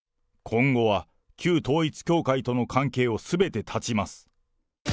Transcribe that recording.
今後は旧統一教会との関係をすべて断ちます。